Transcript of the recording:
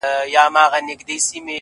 اوس چي مخ هرې خوا ته اړوم الله وينم;